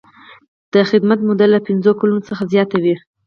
د خدمت موده له پنځه کلونو څخه زیاته وي.